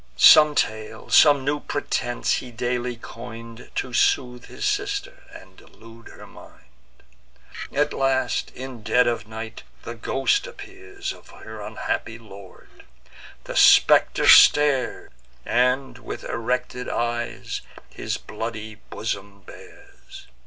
Some tale, some new pretence, he daily coin'd, To soothe his sister, and delude her mind. At length, in dead of night, the ghost appears Of her unhappy lord: the spectre stares, And, with erected eyes, his bloody bosom bares.